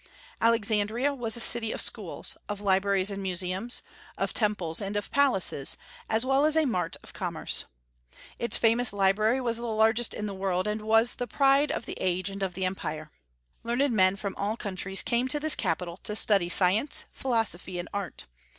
Alexandria was a city of schools, of libraries and museums, of temples and of palaces, as well as a mart of commerce. Its famous library was the largest in the world, and was the pride of the age and of the empire. Learned men from all countries came to this capital to study science, philosophy, and art.